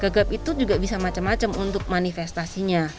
gagap itu juga bisa macam macam untuk manifestasinya